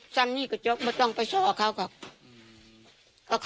เสมมีก็จบไม่ต้องไปช่องข้าการ